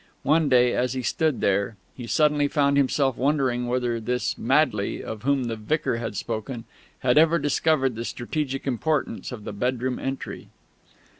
One day, as he stood there, he suddenly found himself wondering whether this Madley, of whom the vicar had spoken, had ever discovered the strategic importance of the bedroom entry.